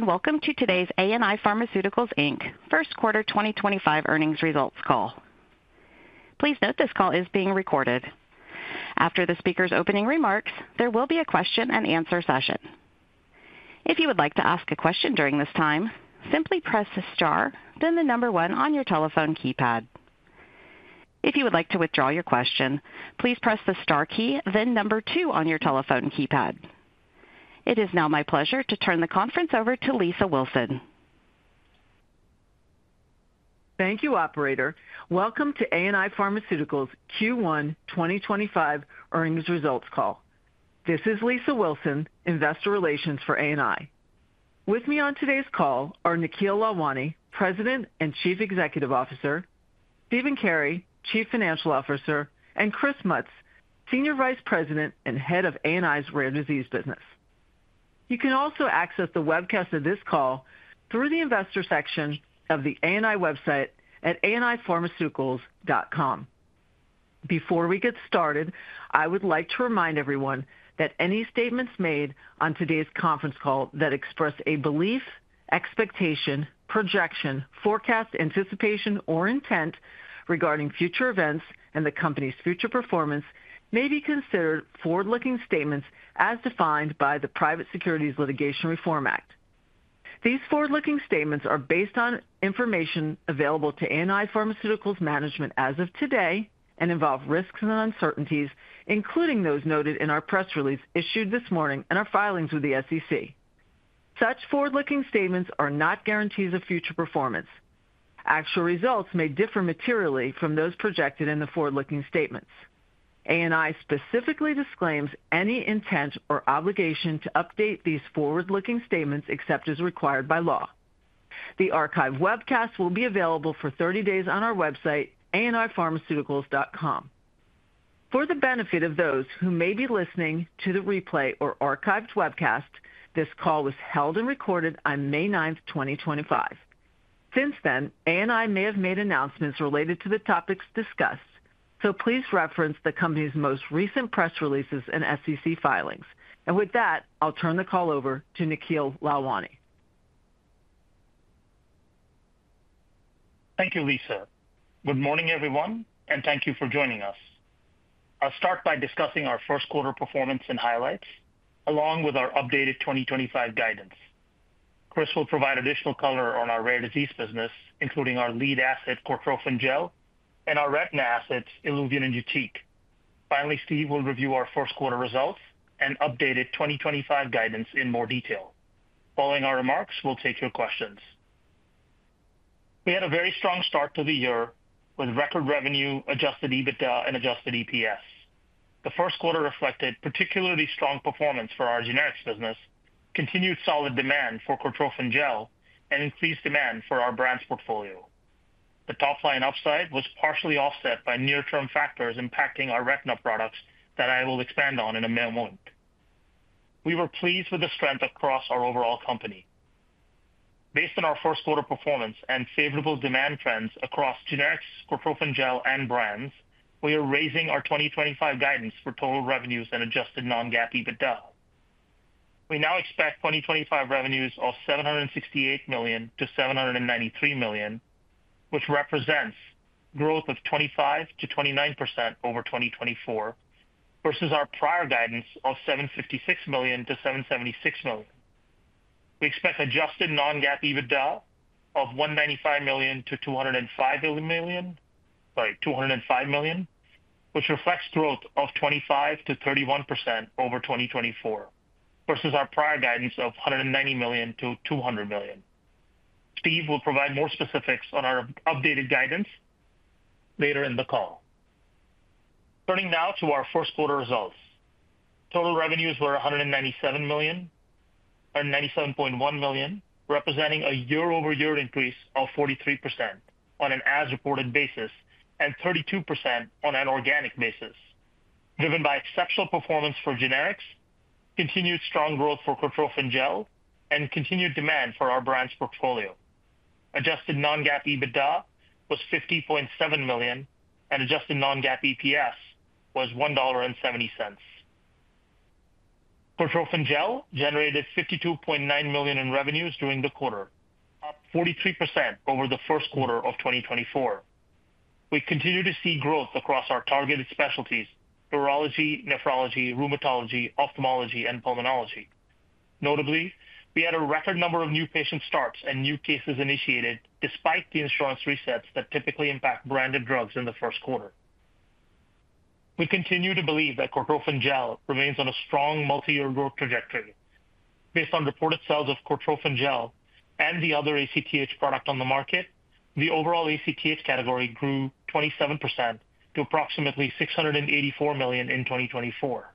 Welcome to today's ANI Pharmaceuticals First Quarter 2025 Earnings Results Call. Please note this call is being recorded. After the speaker's opening remarks, there will be a question-and-answer session. If you would like to ask a question during this time, simply press the star, then the number one on your telephone keypad. If you would like to withdraw your question, please press the star key, then number two on your telephone keypad. It is now my pleasure to turn the conference over to Lisa Wilson. Thank you, operator. Welcome to ANI Pharmaceuticals Q1 2025 earnings results call. This is Lisa Wilson, Investor Relations for ANI. With me on today's call are Nikhil Lalwani, President and Chief Executive Officer; Steven Carey, Chief Financial Officer; and Chris Mutz, Senior Vice President and Head of ANI's Rare Disease business. You can also access the webcast of this call through the investor section of the ANI website at anipharmaceuticals.com. Before we get started, I would like to remind everyone that any statements made on today's conference call that express a belief, expectation, projection, forecast, anticipation, or intent regarding future events and the company's future performance may be considered forward-looking statements as defined by the Private Securities Litigation Reform Act. These forward-looking statements are based on information available to ANI Pharmaceuticals management as of today and involve risks and uncertainties, including those noted in our press release issued this morning and our filings with the SEC. Such forward-looking statements are not guarantees of future performance. Actual results may differ materially from those projected in the forward-looking statements. ANI specifically disclaims any intent or obligation to update these forward-looking statements except as required by law. The archived webcast will be available for 30 days on our website, anipharmaceuticals.com. For the benefit of those who may be listening to the replay or archived webcast, this call was held and recorded on May 9th, 2025. Since then, ANI may have made announcements related to the topics discussed, so please reference the company's most recent press releases and SEC filings. With that, I'll turn the call over to Nikhil Lalwani. Thank you, Lisa. Good morning, everyone, and thank you for joining us. I'll start by discussing our first quarter performance and highlights, along with our updated 2025 guidance. Chris will provide additional color on our rare disease business, including our lead asset, Purified Cortrophin Gel, and our retina assets, ILUVIEN and YUTIQ. Finally, Steve will review our first quarter results and updated 2025 guidance in more detail. Following our remarks, we'll take your questions. We had a very strong start to the year with record revenue, adjusted EBITDA, and adjusted EPS. The first quarter reflected particularly strong performance for our generics business, continued solid demand for Purified Cortrophin Gel, and increased demand for our brands portfolio. The top line upside was partially offset by near-term factors impacting our retina products that I will expand on in a minute. We were pleased with the strength across our overall company. Based on our first quarter performance and favorable demand trends across generics, Purified Cortrophin Gel, and brands, we are raising our 2025 guidance for total revenues and adjusted non-GAAP EBITDA. We now expect 2025 revenues of $768 million-$793 million, which represents growth of 25%-29% over 2024 versus our prior guidance of $756 million-$776 million. We expect adjusted non-GAAP EBITDA of $195 million-$205 million, which reflects growth of 25%-31% over 2024 versus our prior guidance of $190 million-$200 million. Steve will provide more specifics on our updated guidance later in the call. Turning now to our first quarter results, total revenues were $197 million, $197.1 million, representing a year-over-year increase of 43% on an as-reported basis and 32% on an organic basis, driven by exceptional performance for generics, continued strong growth for Purified Cortrophin Gel, and continued demand for our brand's portfolio. Adjusted non-GAAP EBITDA was $50.7 million, and adjusted non-GAAP EPS was $1.70. Purified Cortrophin Gel generated $52.9 million in revenues during the quarter, up 43% over the first quarter of 2024. We continue to see growth across our targeted specialties: urology, nephrology, rheumatology, ophthalmology, and pulmonology. Notably, we had a record number of new patient starts and new cases initiated despite the insurance resets that typically impact branded drugs in the first quarter. We continue to believe that Purified Cortrophin Gel remains on a strong multi-year growth trajectory. Based on reported sales of Purified Cortrophin Gel and the other ACTH product on the market, the overall ACTH category grew 27% to approximately $684 million in 2024.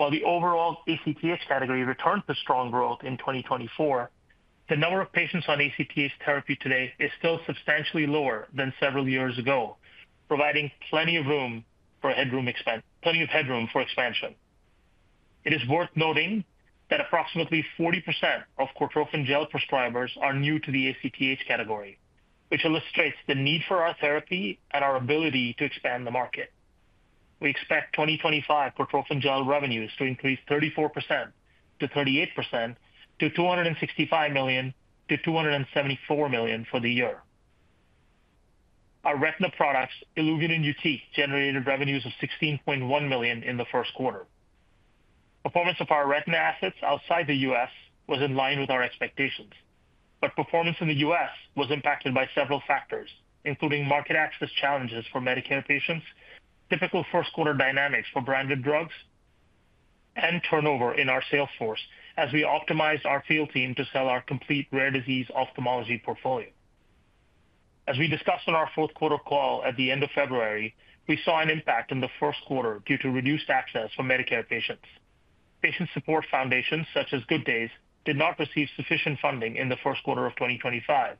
While the overall ACTH category returned to strong growth in 2024, the number of patients on ACTH therapy today is still substantially lower than several years ago, providing plenty of room for headroom for expansion. It is worth noting that approximately 40% of Purified Cortrophin Gel prescribers are new to the ACTH category, which illustrates the need for our therapy and our ability to expand the market. We expect 2025 Purified Cortrophin Gel revenues to increase 34%-38% to $265 million-$274 million for the year. Our retina products, ILUVIEN and YUTIQ, generated revenues of $16.1 million in the first quarter. Performance of our retina assets outside the U.S. was in line with our expectations, but performance in the U.S. was impacted by several factors, including market access challenges for Medicare patients, typical first quarter dynamics for branded drugs, and turnover in our sales force as we optimized our field team to sell our complete rare disease ophthalmology portfolio. As we discussed on our fourth quarter call at the end of February, we saw an impact in the first quarter due to reduced access for Medicare patients. Patient support foundations, such as Good Days, did not receive sufficient funding in the first quarter of 2024,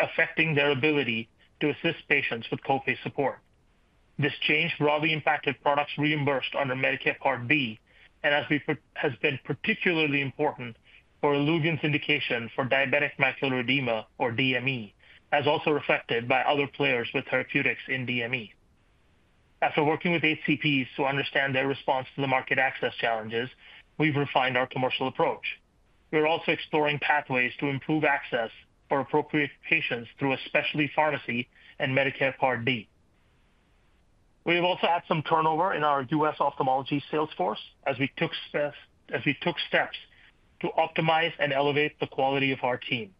affecting their ability to assist patients with copay support. This change broadly impacted products reimbursed under Medicare Part B, and has been particularly important for ILUVIEN's indication for diabetic macular edema, or DME, as also reflected by other players with therapeutics in DME. After working with HCPs to understand their response to the market access challenges, we've refined our commercial approach. We're also exploring pathways to improve access for appropriate patients through a specialty pharmacy and Medicare Part D. We have also had some turnover in our U.S. ophthalmology sales force as we took steps to optimize and elevate the quality of our team.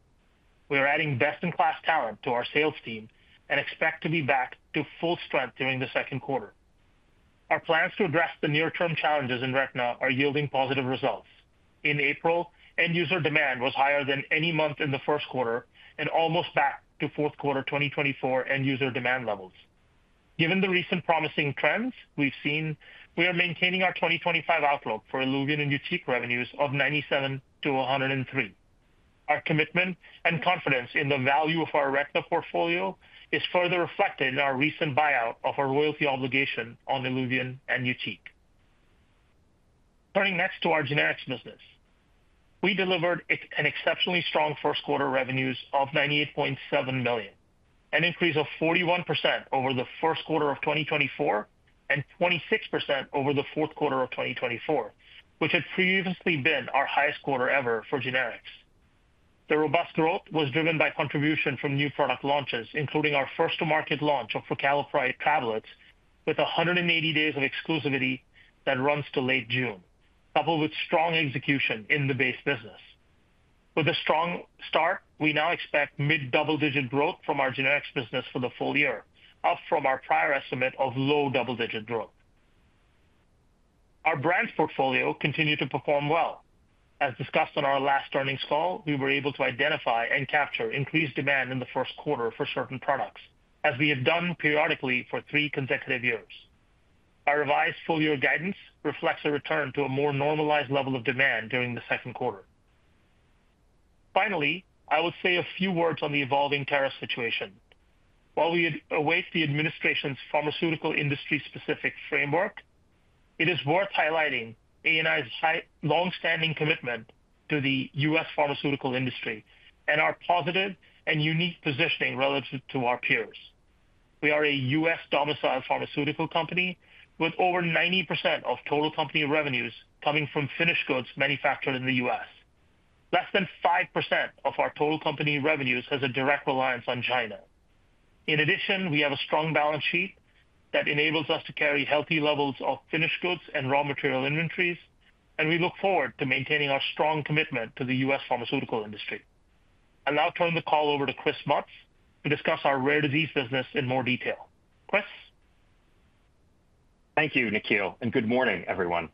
We are adding best-in-class talent to our sales team and expect to be back to full strength during the second quarter. Our plans to address the near-term challenges in retina are yielding positive results. In April, end-user demand was higher than any month in the first quarter and almost back to fourth quarter 2023 end-user demand levels. Given the recent promising trends we've seen, we are maintaining our 2024 outlook for ILUVIEN and YUTIQ revenues of $97 million-$103 million. Our commitment and confidence in the value of our retina portfolio is further reflected in our recent buyout of our royalty obligation on ILUVIEN and YUTIQ. Turning next to our generics business, we delivered an exceptionally strong first quarter revenues of $98.7 million, an increase of 41% over the first quarter of 2024 and 26% over the fourth quarter of 2024, which had previously been our highest quarter ever for generics. The robust growth was driven by contribution from new product launches, including our first-to-market launch of prucalopride tablets with 180 days of exclusivity that runs to late June, coupled with strong execution in the base business. With a strong start, we now expect mid-double-digit growth from our generics business for the full year, up from our prior estimate of low double-digit growth. Our brand's portfolio continued to perform well. As discussed on our last earnings call, we were able to identify and capture increased demand in the first quarter for certain products, as we have done periodically for three consecutive years. Our revised full-year guidance reflects a return to a more normalized level of demand during the second quarter. Finally, I would say a few words on the evolving tariff situation. While we await the administration's pharmaceutical industry-specific framework, it is worth highlighting ANI's long-standing commitment to the U.S. pharmaceutical industry and our positive and unique positioning relative to our peers. We are a U.S. domiciled pharmaceutical company with over 90% of total company revenues coming from finished goods manufactured in the U.S. Less than 5% of our total company revenues has a direct reliance on China. In addition, we have a strong balance sheet that enables us to carry healthy levels of finished goods and raw material inventories, and we look forward to maintaining our strong commitment to the U.S. pharmaceutical industry. I'll now turn the call over to Chris Mutz to discuss our rare disease business in more detail. Chris? Thank you, Nikhil, and good morning, everyone.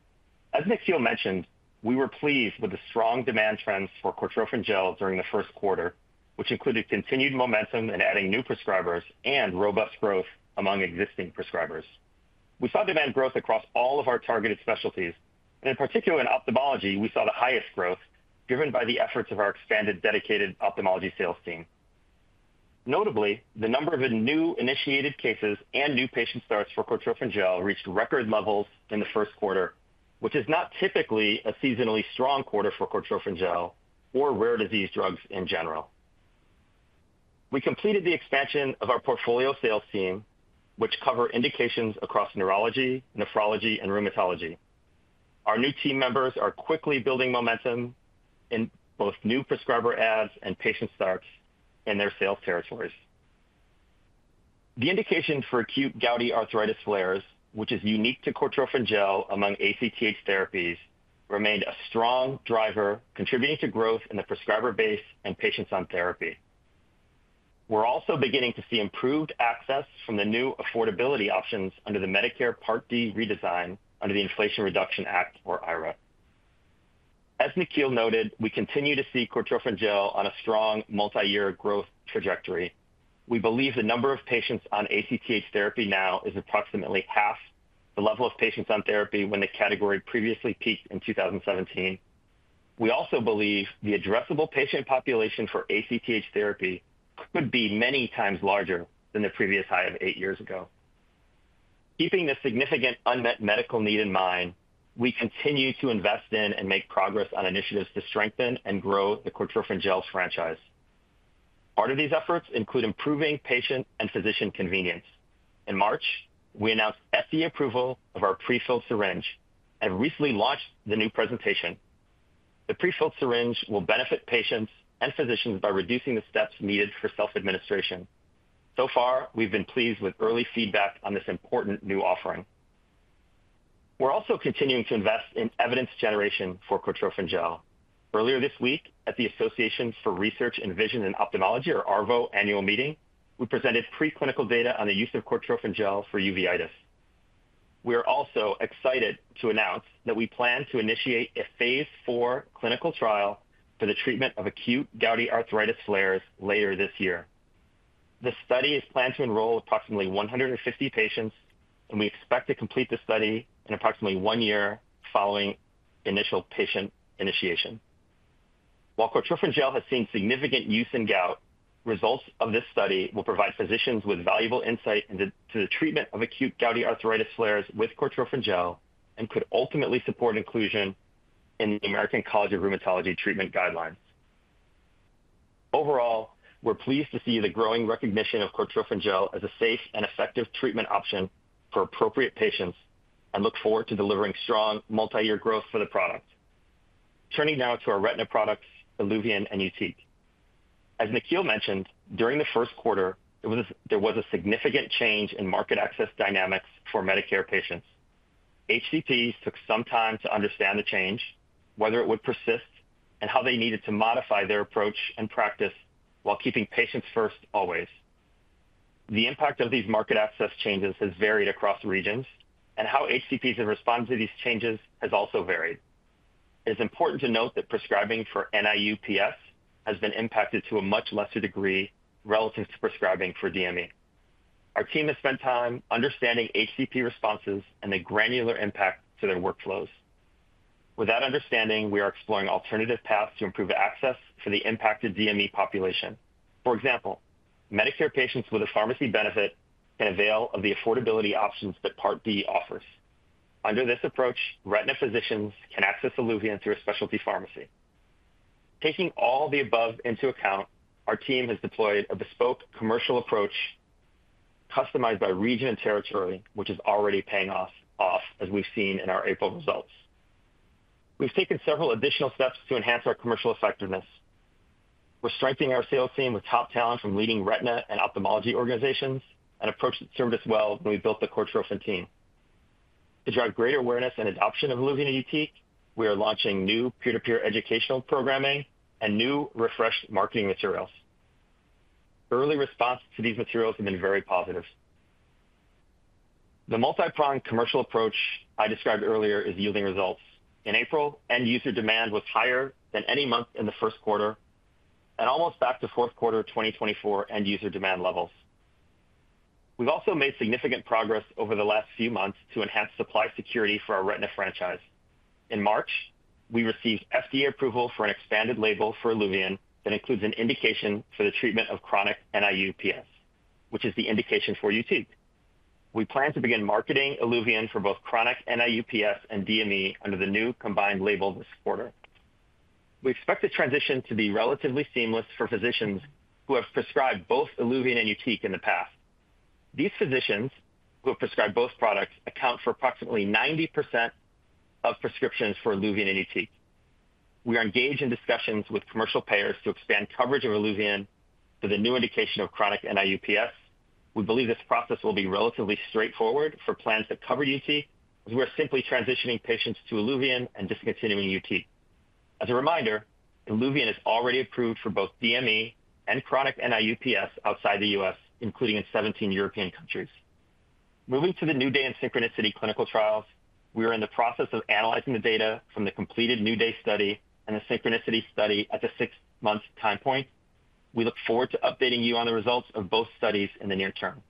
As Nikhil mentioned, we were pleased with the strong demand trends for Purified Cortrophin Gel during the first quarter, which included continued momentum in adding new prescribers and robust growth among existing prescribers. We saw demand growth across all of our targeted specialties, and in particular in ophthalmology, we saw the highest growth driven by the efforts of our expanded dedicated ophthalmology sales team. Notably, the number of new initiated cases and new patient starts for Purified Cortrophin Gel reached record levels in the first quarter, which is not typically a seasonally strong quarter for Purified Cortrophin Gel or rare disease drugs in general. We completed the expansion of our portfolio sales team, which covers indications across neurology, nephrology, and rheumatology. Our new team members are quickly building momentum in both new prescriber adds and patient starts in their sales territories. The indication for acute gouty arthritis flares, which is unique to Purified Cortrophin Gel among ACTH therapies, remained a strong driver, contributing to growth in the prescriber base and patients on therapy. We are also beginning to see improved access from the new affordability options under the Medicare Part D redesign under the Inflation Reduction Act, or IRA. As Nikhil noted, we continue to see Purified Cortrophin Gel on a strong multi-year growth trajectory. We believe the number of patients on ACTH therapy now is approximately half the level of patients on therapy when the category previously peaked in 2017. We also believe the addressable patient population for ACTH therapy could be many times larger than the previous high of eight years ago. Keeping this significant unmet medical need in mind, we continue to invest in and make progress on initiatives to strengthen and grow the Purified Cortrophin Gel franchise. Part of these efforts include improving patient and physician convenience. In March, we announced FDA approval of our prefilled syringe and recently launched the new presentation. The prefilled syringe will benefit patients and physicians by reducing the steps needed for self-administration. So far, we've been pleased with early feedback on this important new offering. We're also continuing to invest in evidence generation for Purified Cortrophin Gel. Earlier this week, at the Association for Research in Vision and Ophthalmology, or ARVO, annual meeting, we presented preclinical data on the use of Purified Cortrophin Gel for uveitis. We are also excited to announce that we plan to initiate a phase four clinical trial for the treatment of acute gouty arthritis flares later this year. The study is planned to enroll approximately 150 patients, and we expect to complete the study in approximately one year following initial patient initiation. While Purified Cortrophin Gel has seen significant use in gout, results of this study will provide physicians with valuable insight into the treatment of acute gouty arthritis flares with Purified Cortrophin Gel and could ultimately support inclusion in the American College of Rheumatology treatment guidelines. Overall, we're pleased to see the growing recognition of Purified Cortrophin Gel as a safe and effective treatment option for appropriate patients and look forward to delivering strong multi-year growth for the product. Turning now to our retina products, ILUVIEN and YUTIQ. As Nikhil mentioned, during the first quarter, there was a significant change in market access dynamics for Medicare patients. HCPs took some time to understand the change, whether it would persist, and how they needed to modify their approach and practice while keeping patients first always. The impact of these market access changes has varied across regions, and how HCPs have responded to these changes has also varied. It is important to note that prescribing for NIU-PS has been impacted to a much lesser degree relative to prescribing for DME. Our team has spent time understanding HCP responses and the granular impact to their workflows. With that understanding, we are exploring alternative paths to improve access for the impacted DME population. For example, Medicare patients with a pharmacy benefit can avail of the affordability options that Part D offers. Under this approach, retina physicians can access ILUVIEN through a specialty pharmacy. Taking all the above into account, our team has deployed a bespoke commercial approach customized by region and territory, which is already paying off, as we've seen in our April results. We've taken several additional steps to enhance our commercial effectiveness. We're strengthening our sales team with top talent from leading retina and ophthalmology organizations, an approach that served us well when we built the Cortrophin team. To drive greater awareness and adoption of ILUVIEN and YUTIQ, we are launching new peer-to-peer educational programming and new refreshed marketing materials. Early responses to these materials have been very positive. The multi-pronged commercial approach I described earlier is yielding results. In April, end-user demand was higher than any month in the first quarter and almost back to fourth quarter 2024 end-user demand levels. We've also made significant progress over the last few months to enhance supply security for our retina franchise. In March, we received FDA approval for an expanded label for ILUVIEN that includes an indication for the treatment of chronic NIU-PS, which is the indication for YUTIQ. We plan to begin marketing ILUVIEN for both chronic NIU-PS and DME under the new combined label this quarter. We expect the transition to be relatively seamless for physicians who have prescribed both ILUVIEN and YUTIQ in the past. These physicians who have prescribed both products account for approximately 90% of prescriptions for ILUVIEN and YUTIQ. We are engaged in discussions with commercial payers to expand coverage of ILUVIEN for the new indication of chronic NIU-PS. We believe this process will be relatively straightforward for plans that cover YUTIQ, as we're simply transitioning patients to ILUVIEN and discontinuing YUTIQ. As a reminder, ILUVIEN is already approved for both DME and chronic NIU-PS outside the U.S., including in 17 European countries. Moving to the New Day and Synchronicity clinical trials, we are in the process of analyzing the data from the completed New Day study and the Synchronicity study at the six-month time point. We look forward to updating you on the results of both studies in the near term.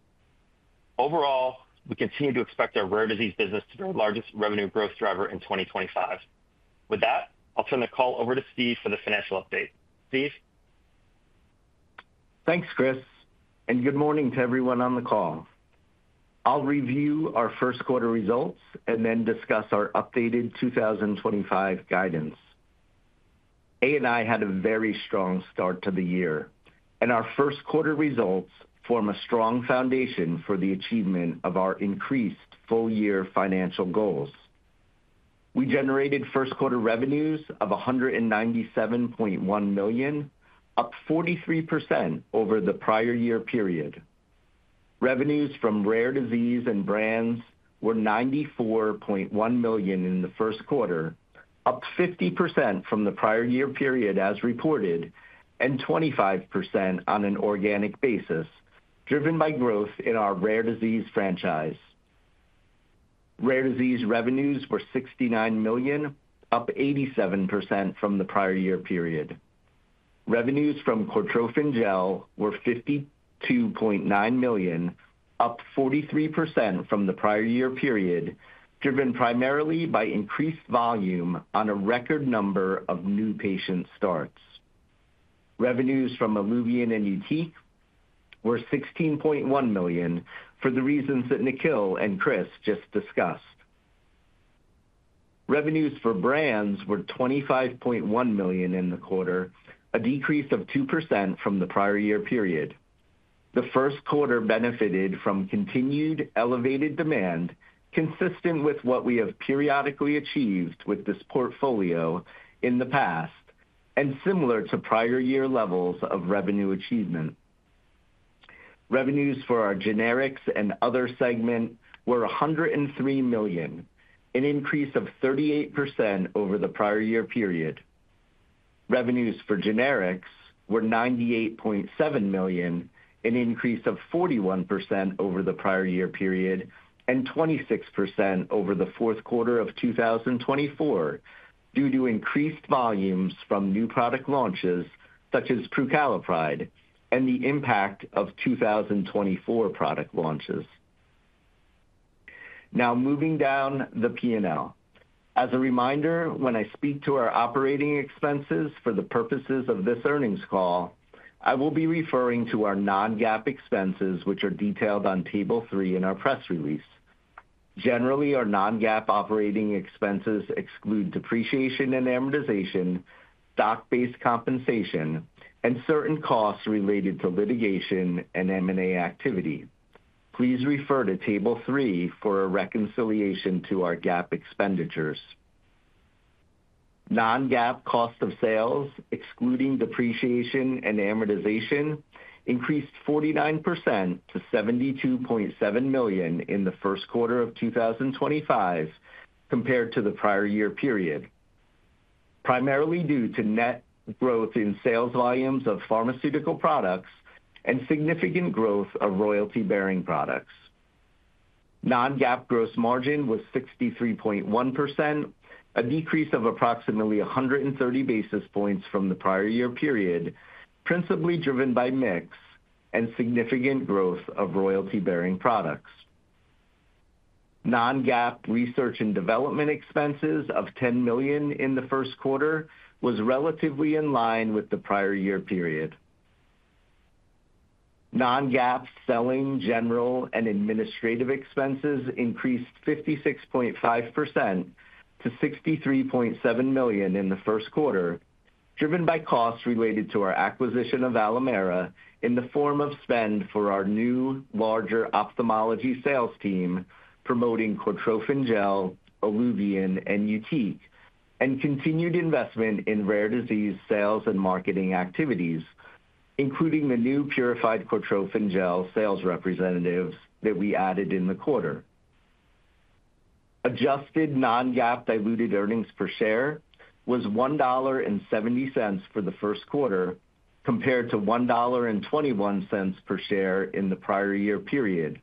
Overall, we continue to expect our rare disease business to be our largest revenue growth driver in 2025. With that, I'll turn the call over to Steve for the financial update. Steve? Thanks, Chris, and good morning to everyone on the call. I'll review our first quarter results and then discuss our updated 2025 guidance. ANI had a very strong start to the year, and our first quarter results form a strong foundation for the achievement of our increased full-year financial goals. We generated first quarter revenues of $197.1 million, up 43% over the prior year period. Revenues from rare disease and brands were $94.1 million in the first quarter, up 50% from the prior year period as reported, and 25% on an organic basis, driven by growth in our rare disease franchise. Rare disease revenues were $69 million, up 87% from the prior year period. Revenues from Purified Cortrophin Gel were $52.9 million, up 43% from the prior year period, driven primarily by increased volume on a record number of new patient starts. Revenues from ILUVIEN and YUTIQ were $16.1 million for the reasons that Nikhil and Chris just discussed. Revenues for brands were $25.1 million in the quarter, a decrease of 2% from the prior year period. The first quarter benefited from continued elevated demand, consistent with what we have periodically achieved with this portfolio in the past and similar to prior year levels of revenue achievement. Revenues for our generics and other segment were $103 million, an increase of 38% over the prior year period. Revenues for generics were $98.7 million, an increase of 41% over the prior year period and 26% over the fourth quarter of 2024 due to increased volumes from new product launches, such as prucalopride, and the impact of 2024 product launches. Now, moving down the P&L. As a reminder, when I speak to our operating expenses for the purposes of this earnings call, I will be referring to our non-GAAP expenses, which are detailed on Table 3 in our press release. Generally, our non-GAAP operating expenses exclude depreciation and amortization, stock-based compensation, and certain costs related to litigation and M&A activity. Please refer to Table 3 for a reconciliation to our GAAP expenditures. Non-GAAP cost of sales, excluding depreciation and amortization, increased 49% to $72.7 million in the first quarter of 2025 compared to the prior year period, primarily due to net growth in sales volumes of pharmaceutical products and significant growth of royalty-bearing products. Non-GAAP gross margin was 63.1%, a decrease of approximately 130 basis points from the prior year period, principally driven by mix and significant growth of royalty-bearing products. Non-GAAP research and development expenses of $10 million in the first quarter was relatively in line with the prior year period. Non-GAAP selling, general, and administrative expenses increased 56.5% to $63.7 million in the first quarter, driven by costs related to our acquisition of Alimera in the form of spend for our new, larger ophthalmology sales team promoting Purified Cortrophin Gel, ILUVIEN, and YUTIQ, and continued investment in rare disease sales and marketing activities, including the new Purified Cortrophin Gel sales representatives that we added in the quarter. Adjusted non-GAAP diluted earnings per share was $1.70 for the first quarter, compared to $1.21 per share in the prior year period.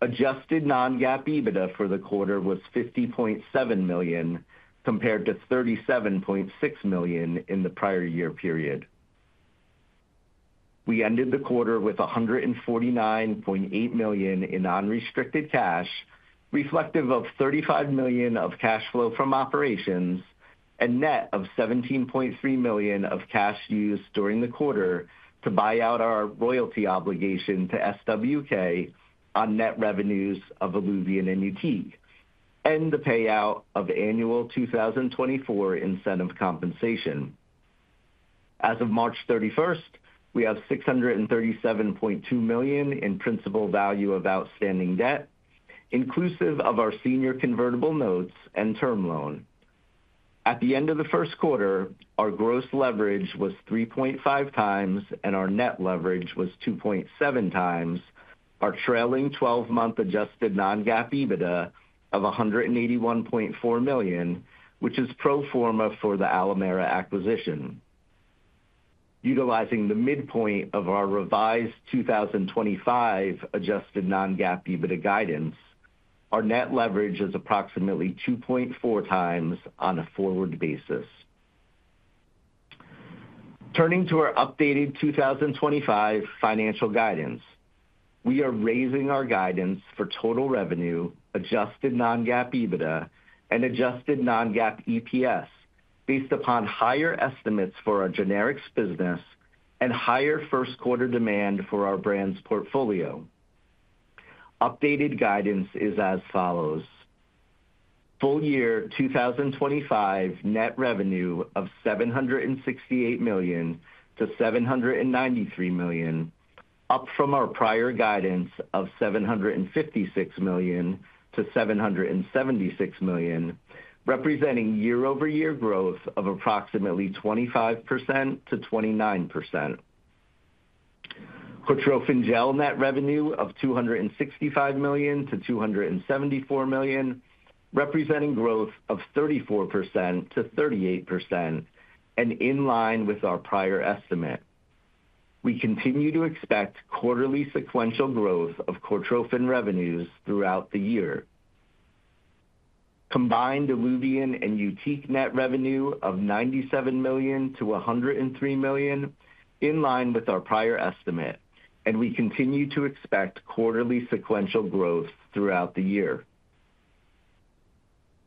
Adjusted non-GAAP EBITDA for the quarter was $50.7 million compared to $37.6 million in the prior year period. We ended the quarter with $149.8 million in non-restricted cash, reflective of $35 million of cash flow from operations and net of $17.3 million of cash used during the quarter to buy out our royalty obligation to SWK on net revenues of ILUVIEN and YUTIQ, and the payout of annual 2024 incentive compensation. As of March 31, we have $637.2 million in principal value of outstanding debt, inclusive of our senior convertible notes and term loan. At the end of the first quarter, our gross leverage was 3.5 times, and our net leverage was 2.7 times our trailing 12-month adjusted non-GAAP EBITDA of $181.4 million, which is pro forma for the Alimera acquisition. Utilizing the midpoint of our revised 2025 adjusted non-GAAP EBITDA guidance, our net leverage is approximately 2.4 times on a forward basis. Turning to our updated 2025 financial guidance, we are raising our guidance for total revenue, adjusted non-GAAP EBITDA, and adjusted non-GAAP EPS based upon higher estimates for our generics business and higher first quarter demand for our brands portfolio. Updated guidance is as follows: full year 2025 net revenue of $768 million-$793 million, up from our prior guidance of $756 million-$776 million, representing year-over-year growth of approximately 25%-29%. Purified Cortrophin Gel net revenue of $265 million-$274 million, representing growth of 34%-38%, and in line with our prior estimate. We continue to expect quarterly sequential growth of Purified Cortrophin Gel revenues throughout the year. Combined ILUVIEN and YUTIQ net revenue of $97 million-$103 million, in line with our prior estimate, and we continue to expect quarterly sequential growth throughout the year.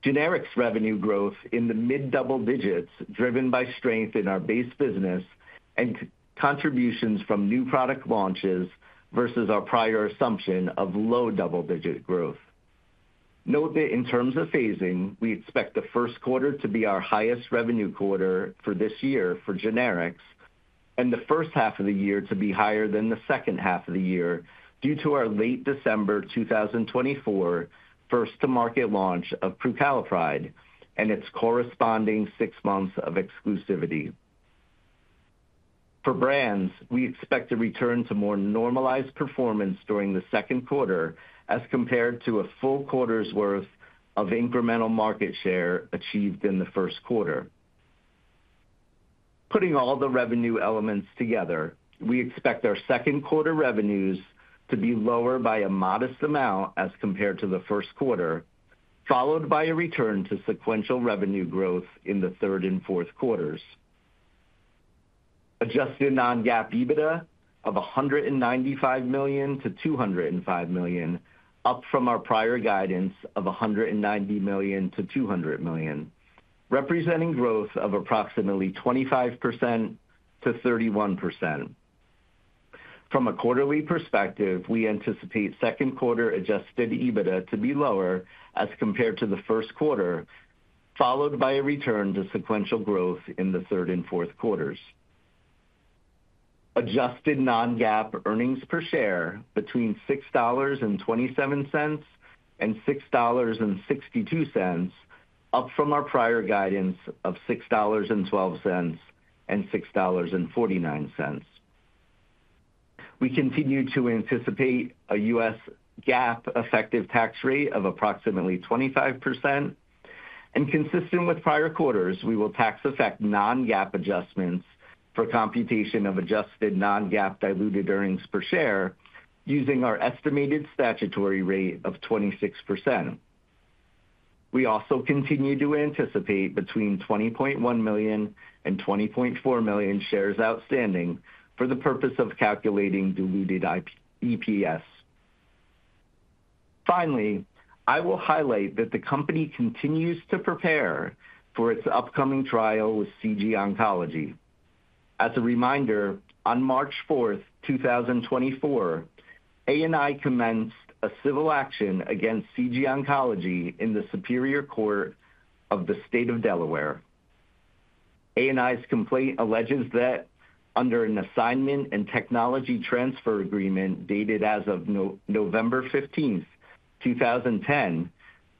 Generics revenue growth in the mid-double digits, driven by strength in our base business and contributions from new product launches versus our prior assumption of low double-digit growth. Note that in terms of phasing, we expect the first quarter to be our highest revenue quarter for this year for generics, and the first half of the year to be higher than the second half of the year due to our late December 2024 first-to-market launch of prucalopride and its corresponding six months of exclusivity. For brands, we expect a return to more normalized performance during the second quarter as compared to a full quarter's worth of incremental market share achieved in the first quarter. Putting all the revenue elements together, we expect our second quarter revenues to be lower by a modest amount as compared to the first quarter, followed by a return to sequential revenue growth in the third and fourth quarters. Adjusted non-GAAP EBITDA of $195 million-$205 million, up from our prior guidance of $190 million-$200 million, representing growth of approximately 25%-31%. From a quarterly perspective, we anticipate second quarter adjusted EBITDA to be lower as compared to the first quarter, followed by a return to sequential growth in the third and fourth quarters. Adjusted non-GAAP earnings per share between $6.27 and $6.62, up from our prior guidance of $6.12 and $6.49. We continue to anticipate a U.S. GAAP effective tax rate of approximately 25%, and consistent with prior quarters, we will tax-effect non-GAAP adjustments for computation of adjusted non-GAAP diluted earnings per share using our estimated statutory rate of 26%. We also continue to anticipate between 20.1 million and 20.4 million shares outstanding for the purpose of calculating diluted EPS. Finally, I will highlight that the company continues to prepare for its upcoming trial with CG Oncology. As a reminder, on March 4th, 2024, ANI commenced a civil action against CG Oncology in the Superior Court of the State of Delaware. ANI's complaint alleges that under an assignment and technology transfer agreement dated as of November 15th, 2010,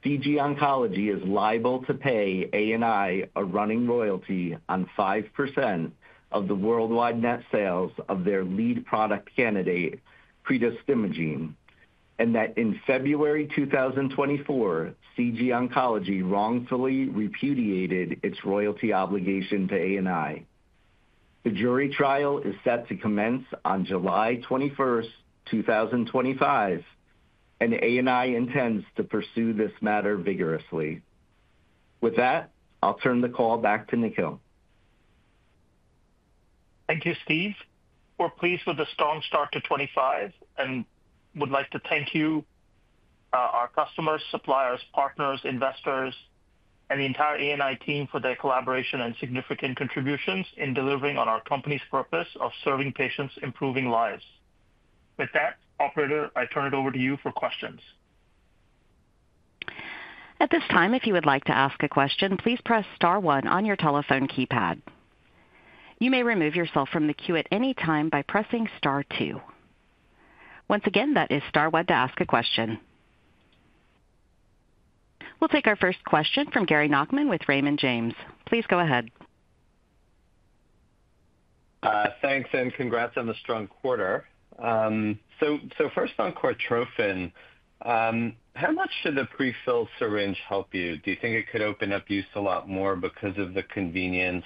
CG Oncology is liable to pay ANI a running royalty on 5% of the worldwide net sales of their lead product candidate, CREDIS Imaging, and that in February 2024, CG Oncology wrongfully repudiated its royalty obligation to ANI. The jury trial is set to commence on July 21st, 2025, and ANI intends to pursue this matter vigorously. With that, I'll turn the call back to Nikhil. Thank you, Steve. We're pleased with the strong start to 2025 and would like to thank you, our customers, suppliers, partners, investors, and the entire ANI team for their collaboration and significant contributions in delivering on our company's purpose of serving patients, improving lives. With that, Operator, I turn it over to you for questions. At this time, if you would like to ask a question, please press star one on your telephone keypad. You may remove yourself from the queue at any time by pressing star two. Once again, that is star one to ask a question. We'll take our first question from Gary Nachman with Raymond James. Please go ahead. Thanks, and congrats on the strong quarter. First on Cortrophin, how much should the prefilled syringe help you? Do you think it could open up use a lot more because of the convenience?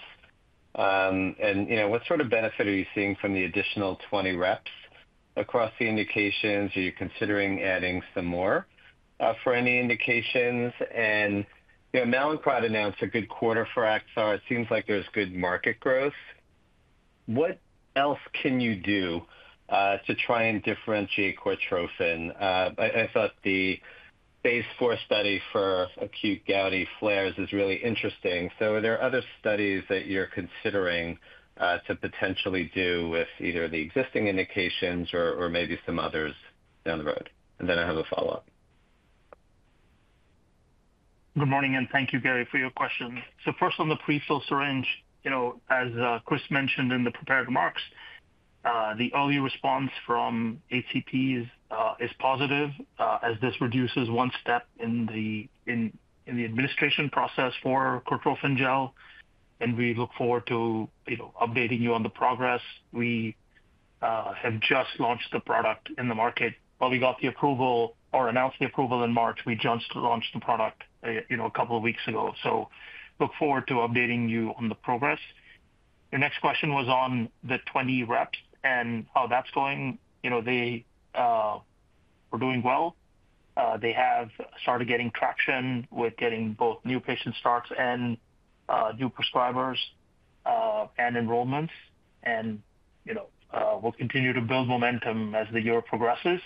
What sort of benefit are you seeing from the additional 20 reps across the indications? Are you considering adding some more for any indications? Mallinckrodt announced a good quarter for Acthar. It seems like there's good market growth. What else can you do to try and differentiate Cortrophin? I thought the phase four study for acute gouty flares is really interesting. Are there other studies that you're considering to potentially do with either the existing indications or maybe some others down the road? I have a follow-up. Good morning, and thank you, Gary, for your question. First on the prefilled syringe, as Chris mentioned in the prepared remarks, the early response from HCPs is positive as this reduces one step in the administration process for Purified Cortrophin Gel, and we look forward to updating you on the progress. We have just launched the product in the market. While we got the approval or announced the approval in March, we just launched the product a couple of weeks ago. Look forward to updating you on the progress. Your next question was on the 20 reps and how that's going. They are doing well. They have started getting traction with getting both new patient starts and new prescribers and enrollments, and we'll continue to build momentum as the year progresses.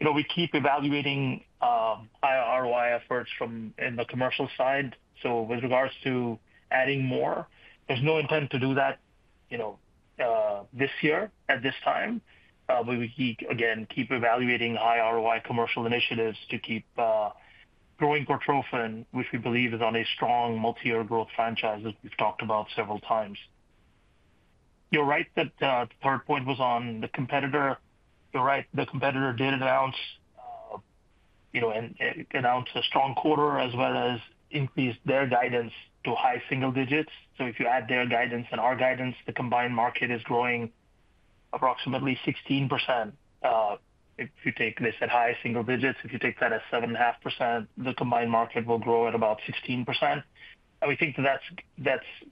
We keep evaluating higher ROI efforts from the commercial side. With regards to adding more, there's no intent to do that this year at this time. We will keep, again, keep evaluating high ROI commercial initiatives to keep growing Cortrophin, which we believe is on a strong multi-year growth franchise as we've talked about several times. You're right that the third point was on the competitor. You're right, the competitor did announce a strong quarter as well as increased their guidance to high single digits. If you add their guidance and our guidance, the combined market is growing approximately 16%. If you take this at high single digits, if you take that at 7.5%, the combined market will grow at about 16%. We think that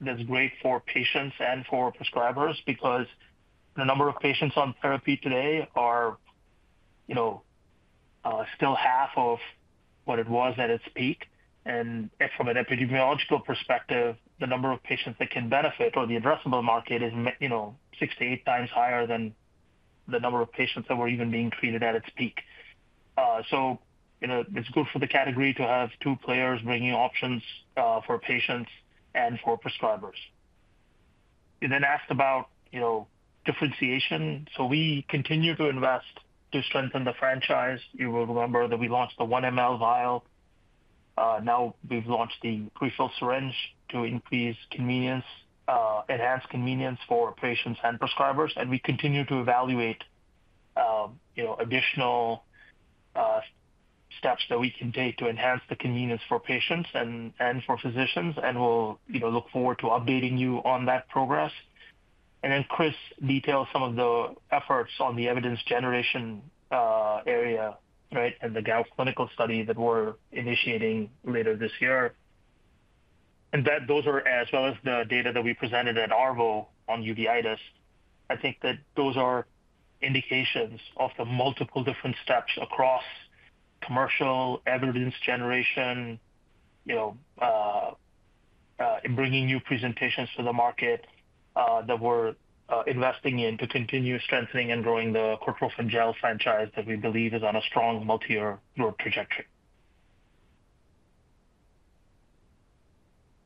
that's great for patients and for prescribers because the number of patients on therapy today are still half of what it was at its peak. From an epidemiological perspective, the number of patients that can benefit or the addressable market is six to eight times higher than the number of patients that were even being treated at its peak. It is good for the category to have two players bringing options for patients and for prescribers. You then asked about differentiation. We continue to invest to strengthen the franchise. You will remember that we launched the 1 ml vial. Now we have launched the prefilled syringe to increase convenience, enhance convenience for patients and prescribers. We continue to evaluate additional steps that we can take to enhance the convenience for patients and for physicians, and we look forward to updating you on that progress. Chris detailed some of the efforts on the evidence generation area, right, and the gout clinical study that we are initiating later this year. Those are, as well as the data that we presented at ARVO on uveitis, I think that those are indications of the multiple different steps across commercial, evidence generation, and bringing new presentations to the market that we're investing in to continue strengthening and growing the Purified Cortrophin Gel franchise that we believe is on a strong multi-year growth trajectory.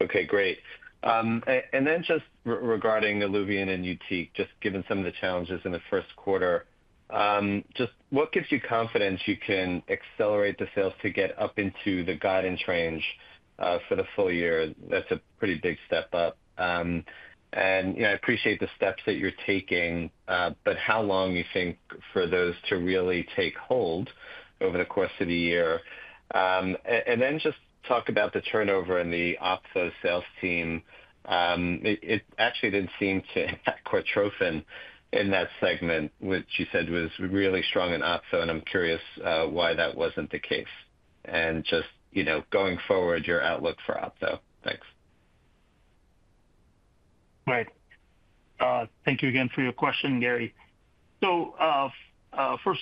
Okay, great. And then just regarding ILUVIEN and YUTIQ, just given some of the challenges in the first quarter, just what gives you confidence you can accelerate the sales to get up into the guidance range for the full year? That's a pretty big step up. I appreciate the steps that you're taking, but how long do you think for those to really take hold over the course of the year? Also, talk about the turnover in the OPTO sales team. It actually didn't seem to impact Cortrophin in that segment, which you said was really strong in OPTO, and I'm curious why that wasn't the case. Going forward, your outlook for OPTO. Thanks. Right. Thank you again for your question, Gary. So first,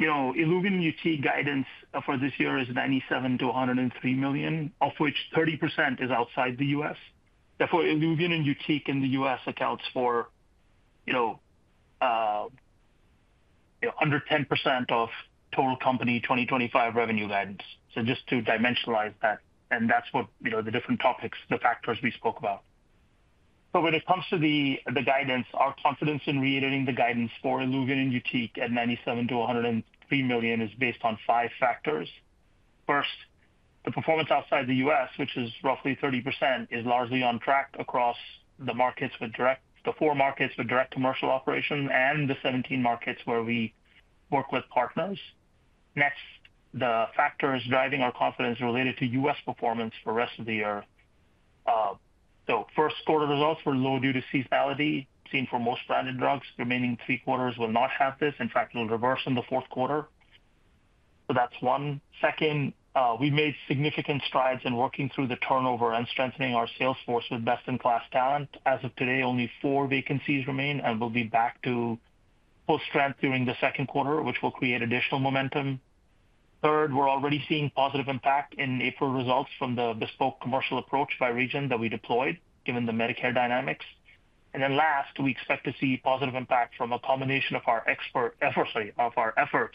ILUVIEN and YUTIQ guidance for this year is $97 million-$103 million, of which 30% is outside the U.S. Therefore, ILUVIEN and YUTIQ in the U.S. accounts for under 10% of total company 2025 revenue guidance. Just to dimensionalize that, and that's with the different topics, the factors we spoke about. When it comes to the guidance, our confidence in reiterating the guidance for ILUVIEN and YUTIQ at $97 million-$103 million is based on five factors. First, the performance outside the U.S., which is roughly 30%, is largely on track across the markets with direct, the four markets with direct commercial operation and the 17 markets where we work with partners. Next, the factors driving our confidence related to U.S. performance for the rest of the year. First quarter results were low due to seasonality seen for most branded drugs. The remaining three quarters will not have this. In fact, it'll reverse in the fourth quarter. That's one. Second, we made significant strides in working through the turnover and strengthening our sales force with best-in-class talent. As of today, only four vacancies remain, and we'll be back to full strength during the second quarter, which will create additional momentum. Third, we're already seeing positive impact in April results from the bespoke commercial approach by region that we deployed, given the Medicare dynamics. Last, we expect to see positive impact from a combination of our efforts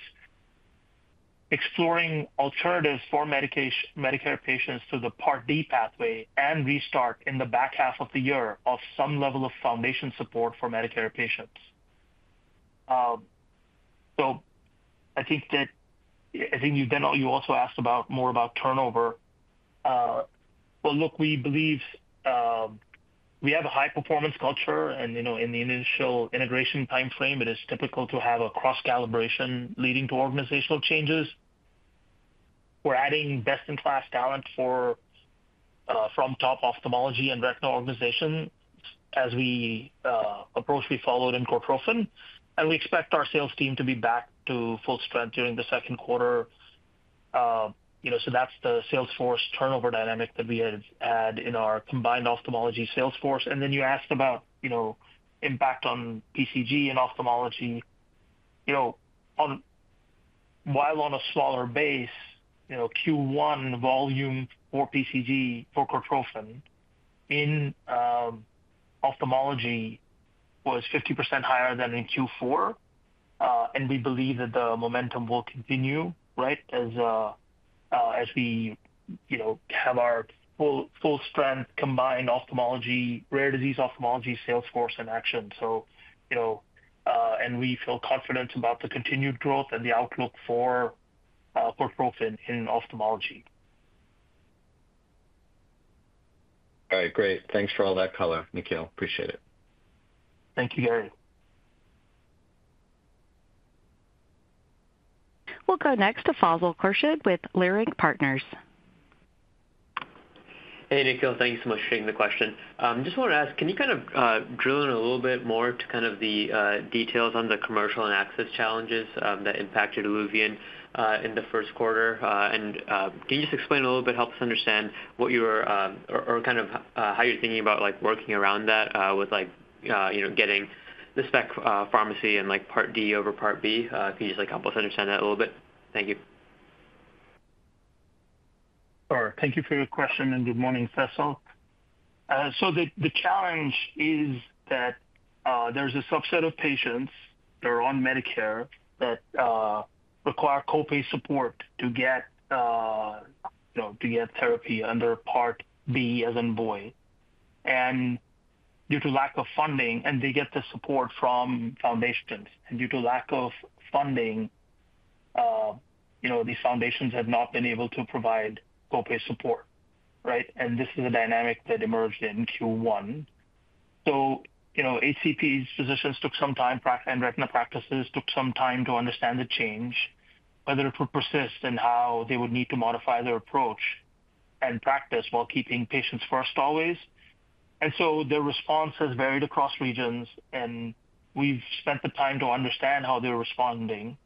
exploring alternatives for Medicare patients to the Part D pathway and restart in the back half of the year of some level of foundation support for Medicare patients. I think you also asked more about turnover. Look, we believe we have a high-performance culture, and in the initial integration timeframe, it is typical to have a cross-calibration leading to organizational changes. We are adding best-in-class talent from top ophthalmology and retinal organizations as the approach we followed in Cortrophin. We expect our sales team to be back to full strength during the second quarter. That is the sales force turnover dynamic that we had in our combined ophthalmology sales force. You asked about impact on PCG and ophthalmology. While on a smaller base, Q1 volume for PCG for Cortrophin in ophthalmology was 50% higher than in Q4, and we believe that the momentum will continue, right, as we have our full strength combined ophthalmology, rare disease ophthalmology, sales force in action. We feel confident about the continued growth and the outlook for Purified Cortrophin Gel in ophthalmology. All right, great. Thanks for all that color, Nikhil. Appreciate it. Thank you, Gary. We'll go next to Faisal Khurshid with Leerink Partners. Hey, Nikhil. Thank you so much for taking the question. I just want to ask, can you kind of drill in a little bit more to kind of the details on the commercial and access challenges that impacted ILUVIEN in the first quarter? Can you just explain a little bit, help us understand what you're or kind of how you're thinking about working around that with getting the spec pharmacy and Part D over Part B? Can you just help us understand that a little bit? Thank you. Sure. Thank you for your question, and good morning, Faisal. The challenge is that there's a subset of patients that are on Medicare that require copay support to get therapy under Part B, as in boy. Due to lack of funding, they get the support from foundations. Due to lack of funding, these foundations have not been able to provide copay support, right? This is a dynamic that emerged in Q1. ACPs, physicians, took some time and retina practices took some time to understand the change, whether it would persist and how they would need to modify their approach and practice while keeping patients first always. Their response has varied across regions, and we've spent the time to understand how they're responding.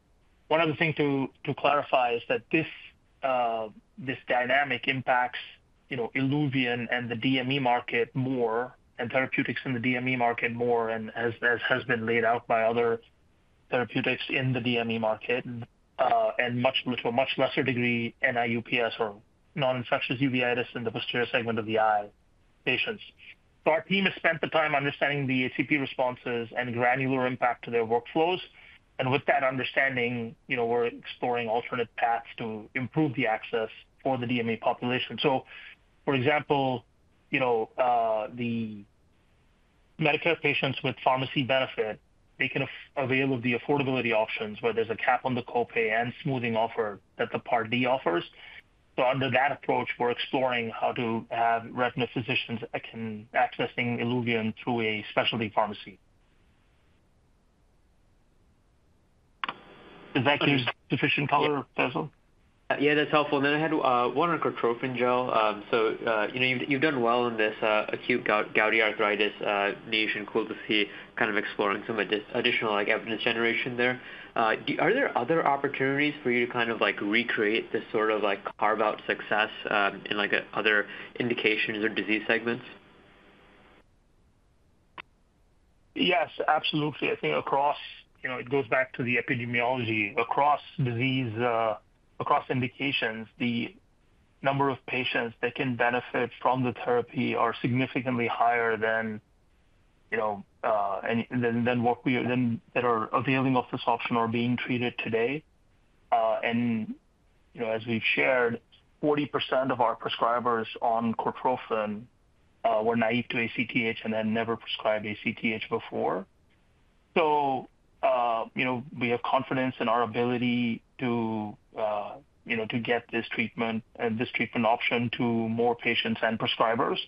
One other thing to clarify is that this dynamic impacts ILUVIEN and the DME market more and therapeutics in the DME market more and as has been laid out by other therapeutics in the DME market, and to a much lesser degree, NIU-PS or non-infectious uveitis in the posterior segment of the eye patients. Our team has spent the time understanding the ACP responses and granular impact to their workflows. With that understanding, we're exploring alternate paths to improve the access for the DME population. For example, the Medicare patients with pharmacy benefit, they can avail of the affordability options where there's a cap on the copay and smoothing offer that the Part D offers. Under that approach, we're exploring how to have retina physicians accessing ILUVIEN through a specialty pharmacy. Does that give sufficient color, Faisal? Yeah, that's helpful. I had one on Purified Cortrophin Gel. You've done well in this acute gouty arthritis niche and cool to see kind of exploring some additional evidence generation there. Are there other opportunities for you to kind of recreate this sort of carve-out success in other indications or disease segments? Yes, absolutely. I think across it goes back to the epidemiology. Across disease, across indications, the number of patients that can benefit from the therapy are significantly higher than what are availing of this option or being treated today. As we have shared, 40% of our prescribers on Cortrophin were naive to ACTH and had never prescribed ACTH before. We have confidence in our ability to get this treatment and this treatment option to more patients and prescribers.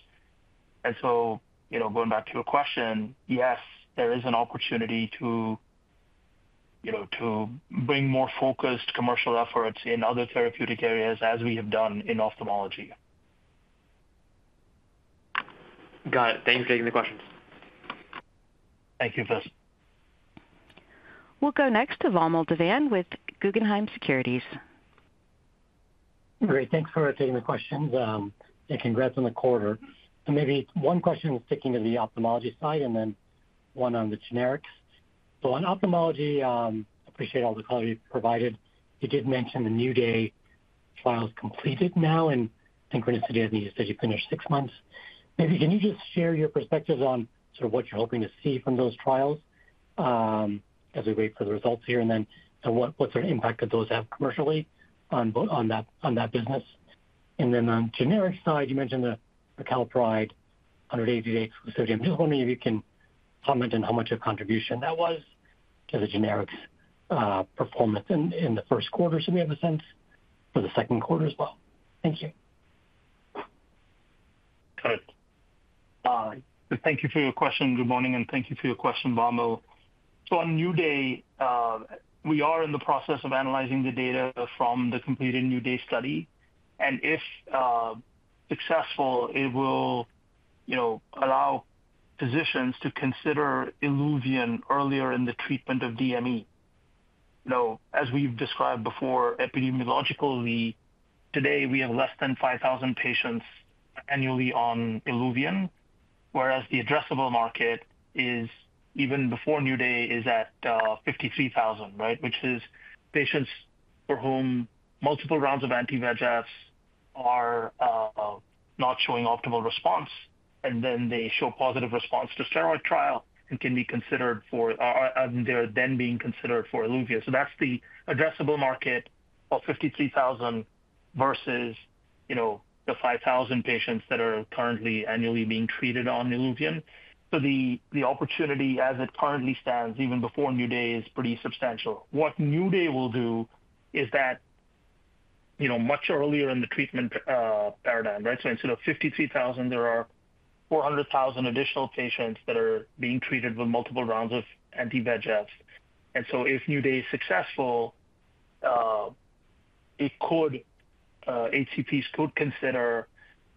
Going back to your question, yes, there is an opportunity to bring more focused commercial efforts in other therapeutic areas as we have done in ophthalmology. Got it. Thank you for taking the questions. Thank you, Faisal. We'll go next to Vamil Divan with Guggenheim Securities. Great. Thanks for taking the questions. And congrats on the quarter. Maybe one question sticking to the ophthalmology side and then one on the generics. On ophthalmology, I appreciate all the colors you've provided. You did mention the New Day trials completed now in synchronicity as you said you finished six months. Maybe can you just share your perspectives on sort of what you're hoping to see from those trials as we wait for the results here and then what sort of impact could those have commercially on that business? On the generic side, you mentioned the Prucalopride 180-day exclusivity. I'm just wondering if you can comment on how much of contribution that was to the generics performance in the first quarter so we have a sense for the second quarter as well. Thank you. Got it. Thank you for your question. Good morning, and thank you for your question, Vamil. On New Day, we are in the process of analyzing the data from the completed New Day study. If successful, it will allow physicians to consider ILUVIEN earlier in the treatment of DME. As we have described before, epidemiologically, today we have fewer than 5,000 patients annually on ILUVIEN, whereas the addressable market even before New Day is at 53,000, which is patients for whom multiple rounds of anti-VEGFs are not showing optimal response. They show positive response to steroid trial and can be considered for, they are then being considered for ILUVIEN. That is the addressable market of 53,000 versus the 5,000 patients that are currently annually being treated on ILUVIEN. The opportunity as it currently stands, even before New Day, is pretty substantial. What New Day will do is that much earlier in the treatment paradigm, right? Instead of 53,000, there are 400,000 additional patients that are being treated with multiple rounds of anti-VEGF. If New Day is successful, HCPs could consider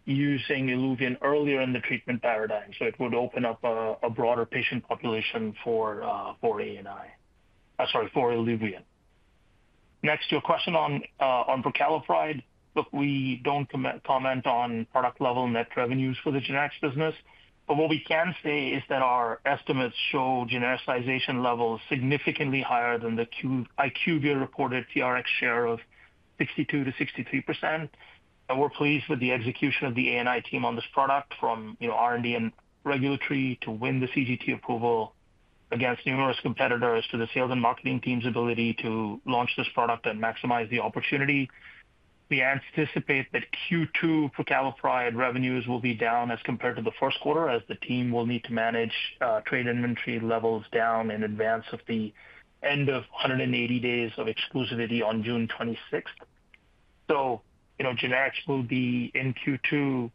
using ILUVIEN earlier in the treatment paradigm. It would open up a broader patient population for ANI, sorry, for ILUVIEN. Next, your question on prucalopride, look, we do not comment on product-level net revenues for the generics business. What we can say is that our estimates show genericization levels significantly higher than the IQVIA reported TRX share of 62-63%. We are pleased with the execution of the ANI team on this product from R&D and regulatory to win the CGT approval against numerous competitors to the sales and marketing team's ability to launch this product and maximize the opportunity. We anticipate that Q2 prucalopride revenues will be down as compared to the first quarter as the team will need to manage trade inventory levels down in advance of the end of 180 days of exclusivity on June 26th. Generics will be in Q2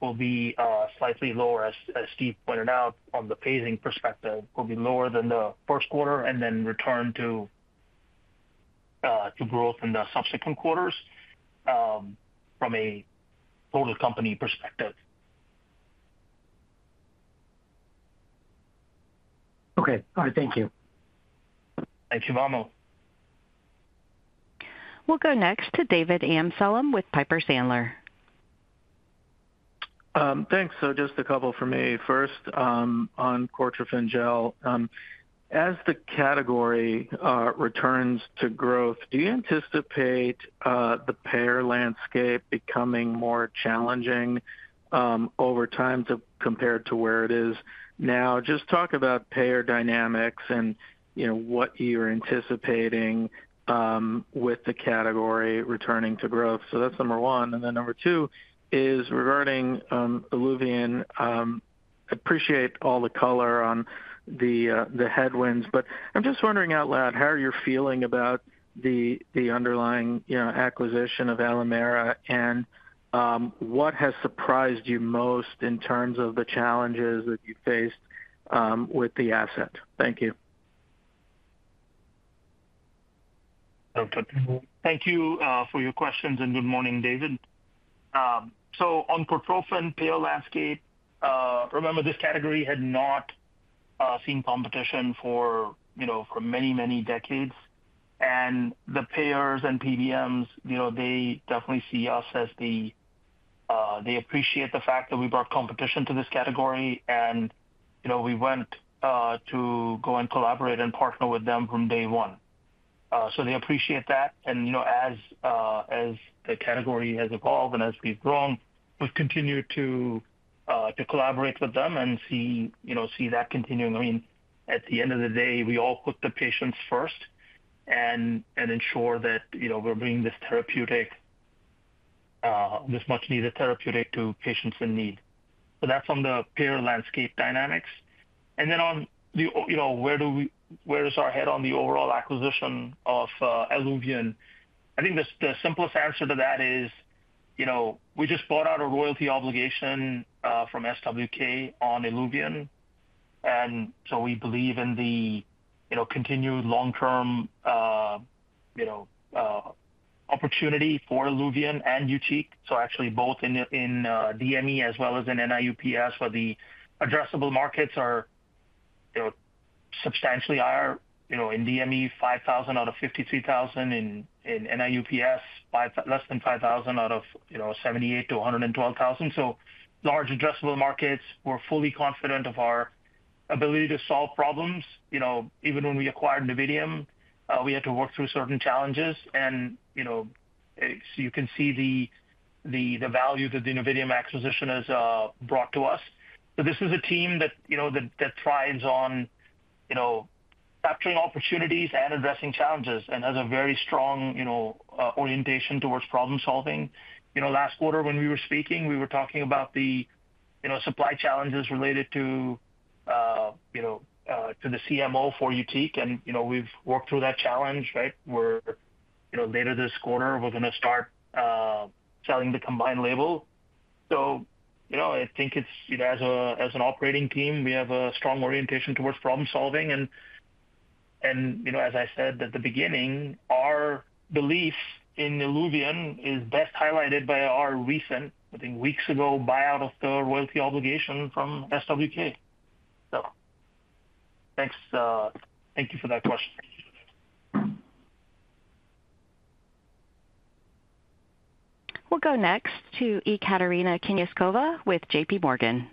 will be slightly lower, as Steve pointed out, on the phasing perspective. It will be lower than the first quarter and then return to growth in the subsequent quarters from a total company perspective. Okay. All right. Thank you. Thank you, Vamil Divan. We'll go next to David Amsellem with Piper Sandler. Thanks. Just a couple for me. First, on Purified Cortrophin Gel, as the category returns to growth, do you anticipate the payer landscape becoming more challenging over time compared to where it is now? Just talk about payer dynamics and what you're anticipating with the category returning to growth. That is number one. Number two is regarding ILUVIEN. I appreciate all the color on the headwinds, but I am just wondering out loud, how are you feeling about the underlying acquisition of Alimera? What has surprised you most in terms of the challenges that you faced with the asset? Thank you. Thank you for your questions, and good morning, David. On Cortrophin payer landscape, remember this category had not seen competition for many, many decades. The payers and PBMs, they definitely see us as the, they appreciate the fact that we brought competition to this category, and we went to go and collaborate and partner with them from day one. They appreciate that. As the category has evolved and as we've grown, we've continued to collaborate with them and see that continuing. I mean, at the end of the day, we all put the patients first and ensure that we're bringing this therapeutic, this much-needed therapeutic to patients in need. That is on the payer landscape dynamics. Then on where do we, where is our head on the overall acquisition of ILUVIEN? I think the simplest answer to that is we just bought out a royalty obligation from SWK on ILUVIEN. And so we believe in the continued long-term opportunity for ILUVIEN and YUTIQ. So actually both in DME as well as in NIU-PS, where the addressable markets are substantially higher. In DME, 5,000 out of 53,000. In NIU-PS, less than 5,000 out of 78,000-112,000. So large addressable markets. We're fully confident of our ability to solve problems. Even when we acquired Alimera, we had to work through certain challenges. And so you can see the value that the Alimera acquisition has brought to us. So this is a team that thrives on capturing opportunities and addressing challenges and has a very strong orientation towards problem-solving. Last quarter, when we were speaking, we were talking about the supply challenges related to the CMO for YUTIQ. We have worked through that challenge, right? Where later this quarter, we are going to start selling the combined label. I think as an operating team, we have a strong orientation towards problem-solving. As I said at the beginning, our belief in ILUVIEN is best highlighted by our recent, I think weeks ago, buyout of the royalty obligation from SWK. Thank you for that question. We'll go next to Ekaterina Knyazkova with JPMorgan.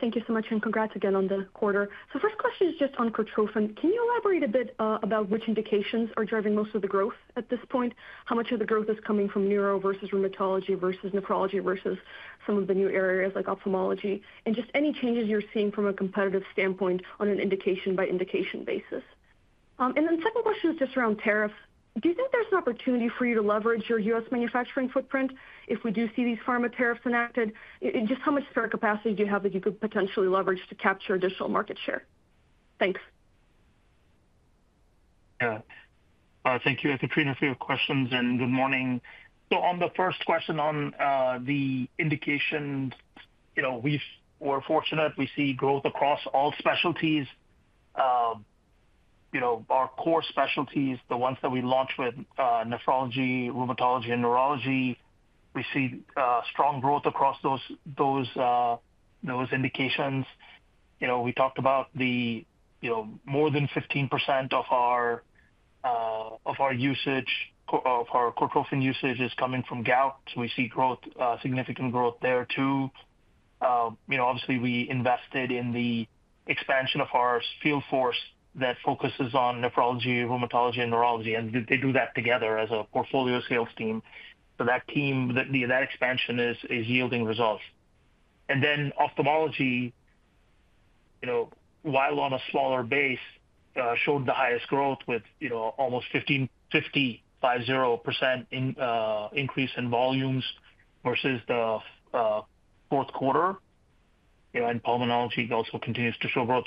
Thank you so much, and congrats again on the quarter. First question is just on Purified Cortrophin Gel. Can you elaborate a bit about which indications are driving most of the growth at this point? How much of the growth is coming from neuro versus rheumatology versus nephrology versus some of the new areas like ophthalmology? Just any changes you're seeing from a competitive standpoint on an indication-by-indication basis. Second question is just around tariffs. Do you think there's an opportunity for you to leverage your U.S. manufacturing footprint if we do see these pharma tariffs enacted? How much spare capacity do you have that you could potentially leverage to capture additional market share? Thanks. Thank you, Ekaterina, for your questions. Good morning. On the first question on the indications, we're fortunate. We see growth across all specialties. Our core specialties, the ones that we launched with, nephrology, rheumatology, and neurology, we see strong growth across those indications. We talked about the more than 15% of our usage, of our Cortrophin usage, is coming from gout. We see growth, significant growth there too. Obviously, we invested in the expansion of our field force that focuses on nephrology, rheumatology, and neurology. They do that together as a portfolio sales team. That team, that expansion is yielding results. Ophthalmology, while on a smaller base, showed the highest growth with almost 50% increase in volumes versus the fourth quarter. Pulmonology also continues to show growth.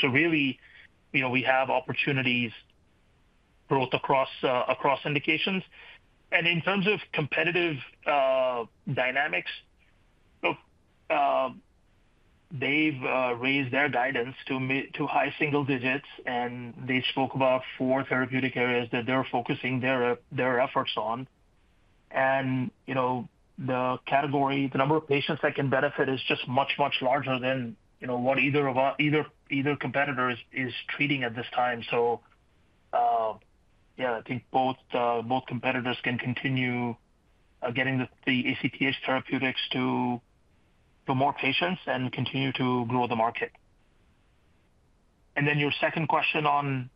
We have opportunities, growth across indications. In terms of competitive dynamics, they've raised their guidance to high single digits, and they spoke about four therapeutic areas that they're focusing their efforts on. The category, the number of patients that can benefit is just much, much larger than what either competitor is treating at this time. I think both competitors can continue getting the ACTH therapeutics to more patients and continue to grow the market. Your second question on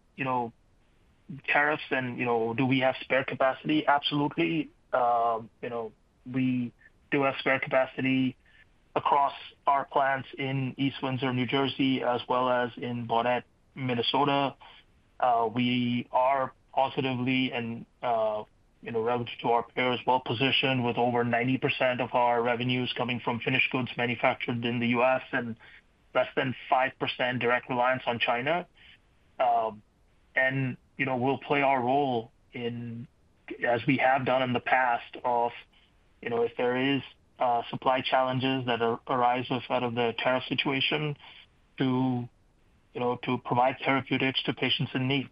tariffs and do we have spare capacity? Absolutely. We do have spare capacity across our plants in East Windsor, New Jersey, as well as in Bayport, Minnesota. We are positively and relative to our peers well-positioned with over 90% of our revenues coming from finished goods manufactured in the U.S. and less than 5% direct reliance on China. We will play our role, as we have done in the past, of if there are supply challenges that arise out of the tariff situation to provide therapeutics to patients in need.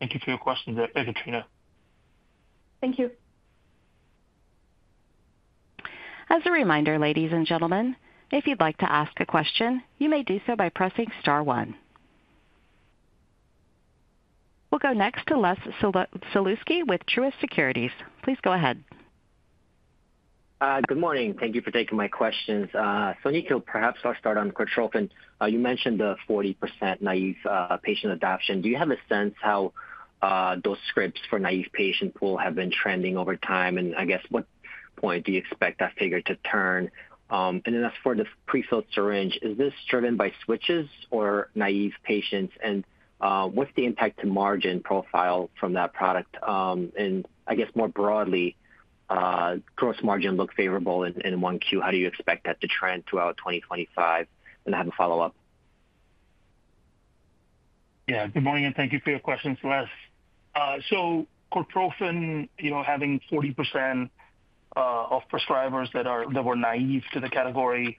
Thank you for your question, Ekaterina. Thank you. As a reminder, ladies and gentlemen, if you'd like to ask a question, you may do so by pressing star one. We'll go next to Les Sulewski with Truist Securities. Please go ahead. Good morning. Thank you for taking my questions. Nikhil, perhaps I'll start on Cortrophin. You mentioned the 40% naive patient adoption. Do you have a sense how those scripts for naive patients will have been trending over time? I guess at what point do you expect that figure to turn? As for the prefilled syringe, is this driven by switches or naive patients? What's the impact to margin profile from that product? More broadly, gross margin looked favorable in Q1. How do you expect that to trend throughout 2025? I have a follow-up. Yeah. Good morning, and thank you for your questions, Les. So Purified Cortrophin Gel having 40% of prescribers that were naive to the category,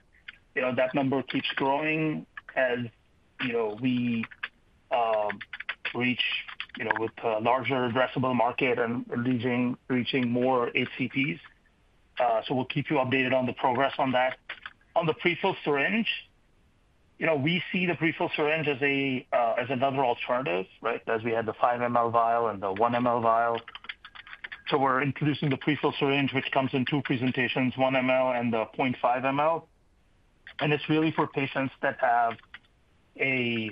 that number keeps growing as we reach with a larger addressable market and reaching more ACTH. We'll keep you updated on the progress on that. On the prefilled syringe, we see the prefilled syringe as another alternative, right? As we had the 5 ml vial and the 1 ml vial. We're introducing the prefilled syringe, which comes in two presentations, 1 ml and 0.5 ml. It's really for patients that have a,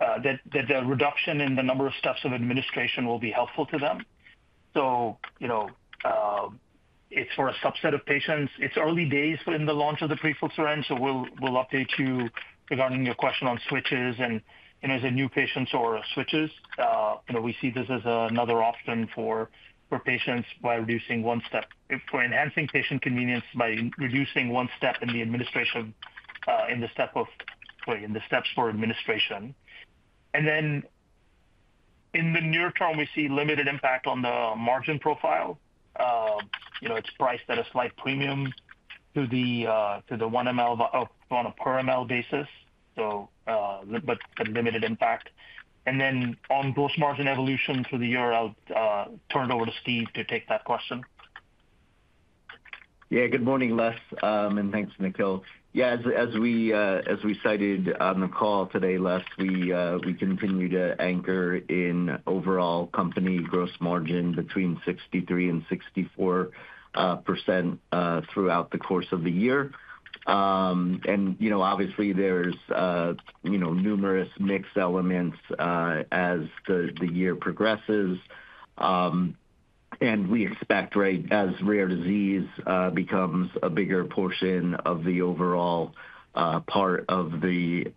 that the reduction in the number of steps of administration will be helpful to them. It's for a subset of patients. It's early days in the launch of the prefilled syringe, so we'll update you regarding your question on switches and as a new patient or switches. We see this as another option for patients by reducing one step, for enhancing patient convenience by reducing one step in the administration, in the steps for administration. In the near term, we see limited impact on the margin profile. It is priced at a slight premium to the 1 ml on a per ml basis, but limited impact. On gross margin evolution through the year, I will turn it over to Steve to take that question. Yeah. Good morning, Les. And thanks, Nikhil. Yeah. As we cited on the call today, Les, we continue to anchor in overall company gross margin between 63%-64% throughout the course of the year. Obviously, there's numerous mixed elements as the year progresses. We expect, right, as rare disease becomes a bigger portion of the overall part of the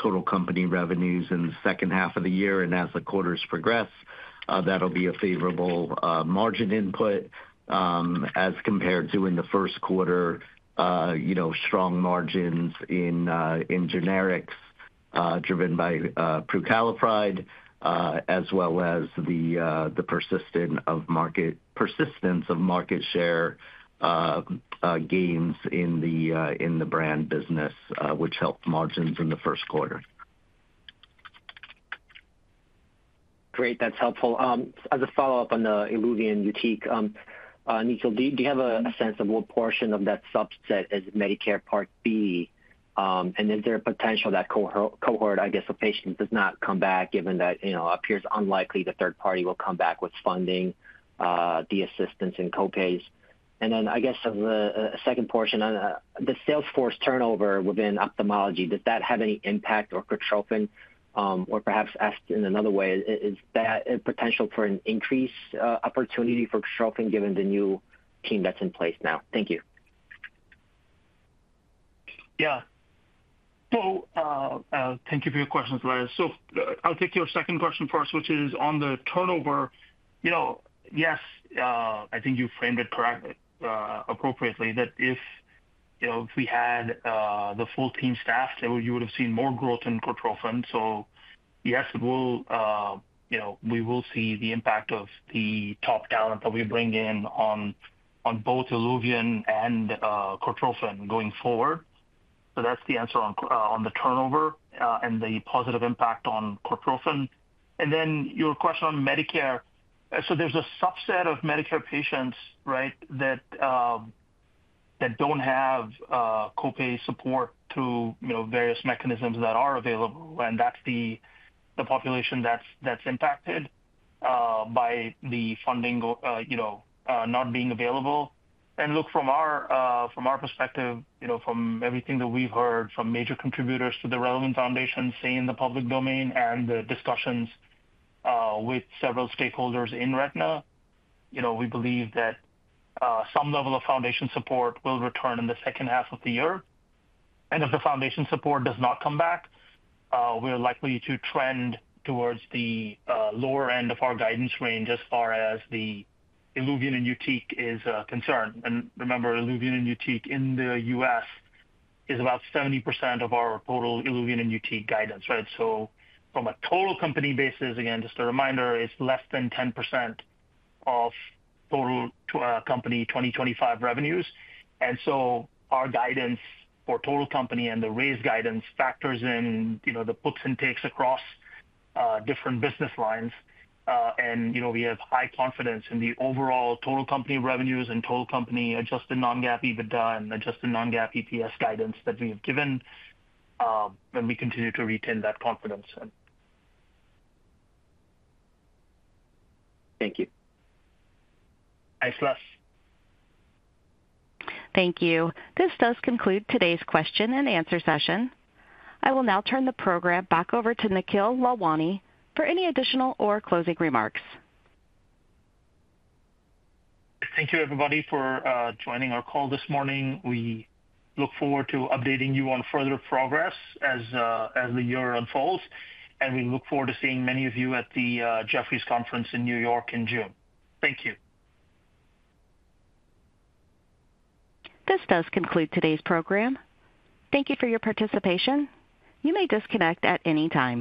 total company revenues in the second half of the year. As the quarters progress, that'll be a favorable margin input as compared to in the first quarter, strong margins in generics driven by prucalopride, as well as the persistence of market share gains in the brand business, which helped margins in the first quarter. Great. That's helpful. As a follow-up on the ILUVIEN, YUTIQ, Nikhil, do you have a sense of what portion of that subset is Medicare Part B? Is there a potential that cohort, I guess, of patients does not come back, given that it appears unlikely the third party will come back with funding, the assistance, and co-pays? I guess a second portion, the sales force turnover within ophthalmology, does that have any impact on Cortrophin? Or perhaps asked in another way, is there a potential for an increased opportunity for Cortrophin given the new team that's in place now? Thank you. Yeah. Thank you for your questions, Les. I'll take your second question first, which is on the turnover. Yes, I think you framed it appropriately that if we had the full team staffed, you would have seen more growth in Cortrophin. Yes, we will see the impact of the top talent that we bring in on both ILUVIEN and Cortrophin going forward. That's the answer on the turnover and the positive impact on Cortrophin. Your question on Medicare, there's a subset of Medicare patients, right, that do not have co-pay support through various mechanisms that are available. That's the population that's impacted by the funding not being available. Look, from our perspective, from everything that we've heard from major contributors to the relevant foundations in the public domain and the discussions with several stakeholders in Retina, we believe that some level of foundation support will return in the second half of the year. If the foundation support does not come back, we're likely to trend towards the lower end of our guidance range as far as ILUVIEN and YUTIQ is concerned. Remember, ILUVIEN and YUTIQ in the U.S. is about 70% of our total ILUVIEN and YUTIQ guidance, right? From a total company basis, again, just a reminder, it's less than 10% of total company 2025 revenues. Our guidance for total company and the raised guidance factors in the puts and takes across different business lines. We have high confidence in the overall total company revenues and total company adjusted non-GAAP EBITDA and adjusted non-GAAP EPS guidance that we have given, and we continue to retain that confidence. Thank you. Thanks, Les. Thank you. This does conclude today's question and answer session. I will now turn the program back over to Nikhil Lalwani for any additional or closing remarks. Thank you, everybody, for joining our call this morning. We look forward to updating you on further progress as the year unfolds. We look forward to seeing many of you at the Jefferies Conference in New York in June. Thank you. This does conclude today's program. Thank you for your participation. You may disconnect at any time.